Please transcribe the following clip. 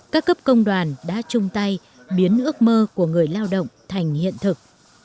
các cấp công đoàn đã chung tay biến ước mơ của người lao động thành hiện thực